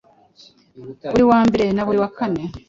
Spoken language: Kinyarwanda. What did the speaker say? buri wa mbere na buri wa kane